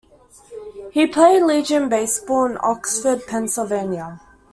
He played Legion baseball in Oxford, Pennsylvania.